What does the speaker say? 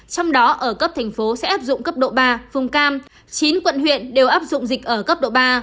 trong đó ở cấp thành phố sẽ áp dụng cấp độ ba phương cam chín quận huyện đều áp dụng dịch ở cấp độ ba